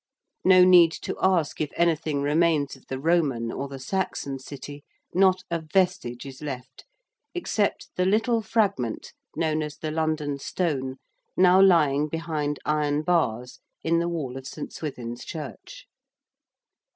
No need to ask if anything remains of the Roman or the Saxon City. Not a vestige is left except the little fragment, known as the London Stone, now lying behind iron bars in the wall of St. Swithin's Church.